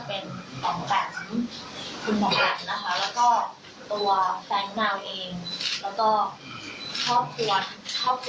เพราะในความที่เรื่องเข้ามิถึงการ